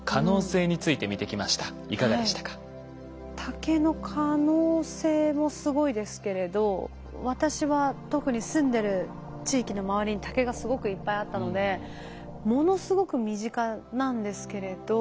竹の可能性もすごいですけれど私は特に住んでる地域の周りに竹がすごくいっぱいあったのでものすごく身近なんですけれど。